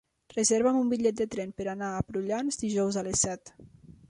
Reserva'm un bitllet de tren per anar a Prullans dijous a les set.